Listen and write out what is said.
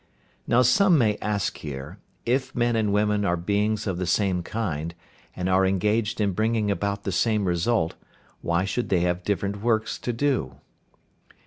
Now some may ask here: If men and women are beings of the same kind, and are engaged in bringing about the same result, why should they have different works to do.